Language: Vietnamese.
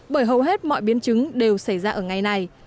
bởi hầu hết mọi biến chứng đều xảy ra ở ngày này